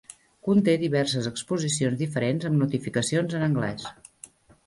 Conté diverses exposicions diferents amb notificacions en anglès.